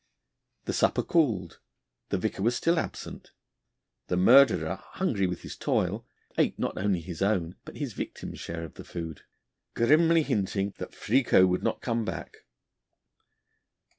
The supper cooled, the vicar was still absent; the murderer, hungry with his toil, ate not only his own, but his victim's share of the food, grimly hinting that Fricot would not come back.